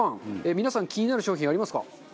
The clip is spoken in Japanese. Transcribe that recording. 皆さん気になる商品はありますか？